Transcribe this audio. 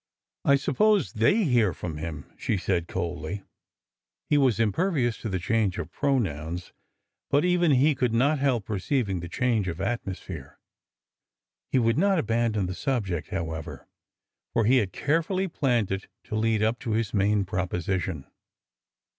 I suppose they hear from him," she said coldly. He was impervious to the change of pronouns, but even he could not help perceiving the change of atmosphere. He would not abandon the subject, however; for he had carefully planned it to lead up to his main proposition.